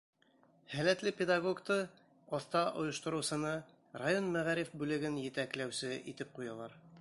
Һәләтле педагогты, оҫта ойоштороусыны район мәғариф бүлеген етәкләүсе итеп ҡуялар.